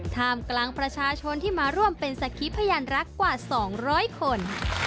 ท่ามกลางประชาชนที่มาร่วมเป็นสักขีพยานรักกว่า๒๐๐คน